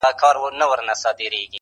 ما یي سرونه تر عزت جارول؛